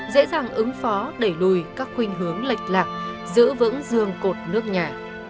dễ dàng ứng phó đẩy lùi các khuyên hướng lệch lạc giữ vững dương cột nước nhà